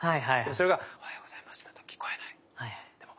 それが「おはようございます」だと聞こえないの。